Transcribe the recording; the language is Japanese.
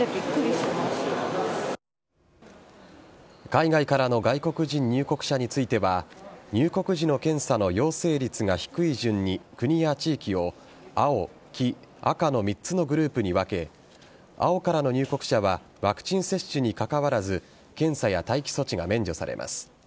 海外からの外国人入国者については入国時の検査の陽性率が低い順に国や地域を青・黄・赤の３つのグループに分け青からの入国者はワクチン接種にかかわらず検査や待機措置が免除されます。